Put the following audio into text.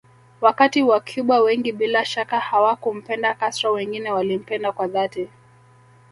Wakati wacuba wengi bila shaka hawakumpenda Castro wengine walimpenda kwa dhati